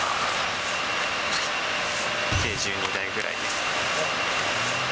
計１２台ぐらいです。